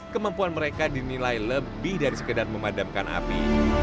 kemampuan mereka dinilai lebih dari sekedar memadamkan api